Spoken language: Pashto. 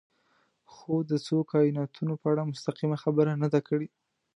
خو د څو کایناتونو په اړه مستقیمه خبره نه ده کړې.